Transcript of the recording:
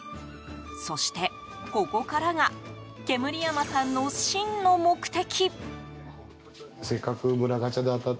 そして、ここからが煙山さんの真の目的。